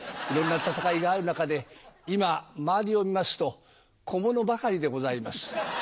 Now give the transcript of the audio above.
いろんな戦いがある中で今周りを見ますと小物ばかりでございます。